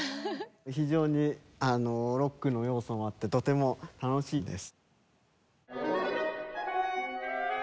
非常にロックの要素もあってとても楽しいです。